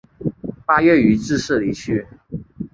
八月予致仕离去。